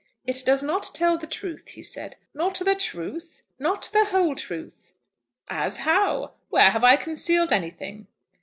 "It does not tell the truth," he said. "Not the truth!" "Not the whole truth." "As how! Where have I concealed anything?"